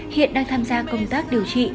hiện đang tham gia công tác điều trị